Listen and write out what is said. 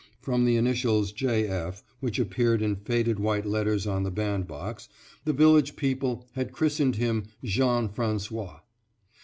From the initials "J. F.," which appeared in faded white letters on the bandbox, the village people had christened him Jean François.